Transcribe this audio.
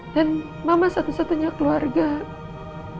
dan mama satu satunya keluarganya